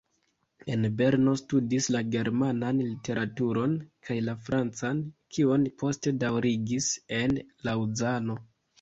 En Berno studis la germanan literaturon kaj la francan, kion poste daŭrigis en Laŭzano.